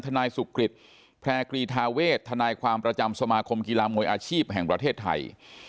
นายสุกฤษแพร่กรีธาเวทนายความประจำสมาคมกีฬามวยอาชีพแห่งประเทศไทย